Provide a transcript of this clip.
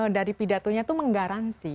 dari pidatonya itu menggaransi